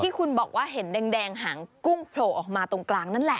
ที่คุณบอกว่าเห็นแดงหางกุ้งโผล่ออกมาตรงกลางนั่นแหละ